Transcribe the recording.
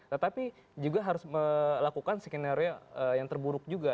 tetapi juga harus melakukan skenario yang terburuk juga